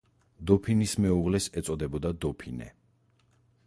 დოფინის მეუღლეს ეწოდებოდა დოფინე.